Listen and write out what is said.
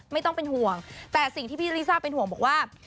ไม่ต้องเป็นห่วงแต่สิ่งที่พี่ลิซ่าเป็นห่วงบอกว่า